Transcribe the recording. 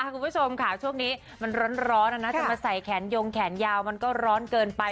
คุณผู้ชมค่ะช่วงนี้มันร้อนนะจะมาใส่แขนยงแขนยาวมันก็ร้อนเกินไป